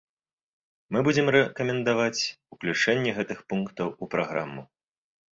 Мы будзем рэкамендаваць ўключэнне гэтых пунктаў у праграму.